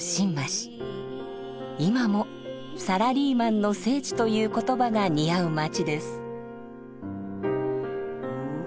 今も「サラリーマンの聖地」という言葉が似合う街です。